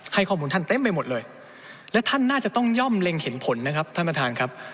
ให้ข้อมูลท่านเต็มไปหมดเลยและท่านน่าจะต้องย่อมเล็งเห็นผลนะครับท่านประธานครับ